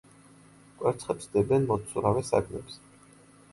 კვერცხებს დებენ მოცურავე საგნებზე.